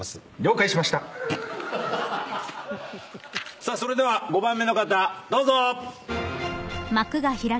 さあそれでは５番目の方どうぞ。